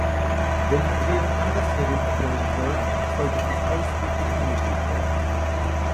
Wenn die Drehung andersherum erfolgen soll, sollte dies ausdrücklich angegeben werden.